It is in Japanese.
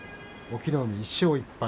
隠岐の海は１勝１敗